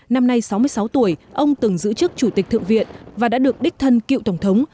năm nay sáu mươi sáu tuổi ông từng giữ chức chủ tịch thượng viện và đã được đích thân cựu tổng thống